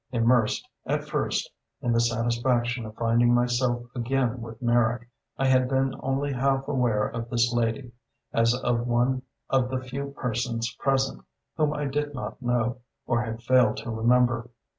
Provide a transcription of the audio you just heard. Immersed, at first, in the satisfaction of finding myself again with Merrick, I had been only half aware of this lady, as of one of the few persons present whom I did not know, or had failed to remember.